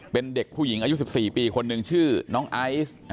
เป็นเด็กผู้หญิงอายุ๑๔ปีคนหนึ่งชื่อน้องไอซ์